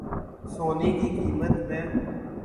سونے کی قیمت میں